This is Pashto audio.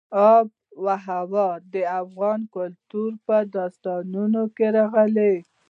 آب وهوا د افغان کلتور په داستانونو کې راځي.